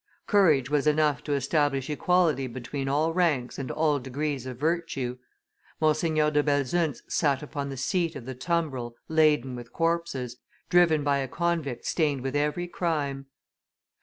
Courage was enough to establish equality between all ranks and all degrees of virtue. Monseigneur de Belzunce sat upon the seat of the tumbrel laden with corpses, driven by a convict stained with every crime.